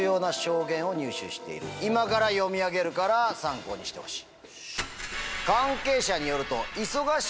今から読み上げるから参考にしてほしい。